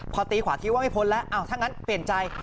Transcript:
พอตีขวาคิดว่าไม่พ้นแล้วถ้างั้นเปลี่ยนใจ